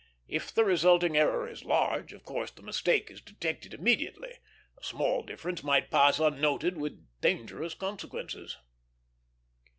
If the resulting error is large, of course the mistake is detected immediately; a slight difference might pass unnoted with dangerous consequences.